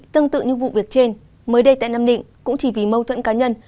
tương tự như vụ việc trên mới đây tại nam định cũng chỉ vì mâu thuẫn cá nhân